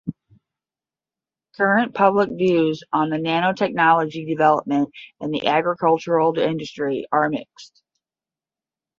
Current public views on nanotechnology development in the agricultural industry are mixed.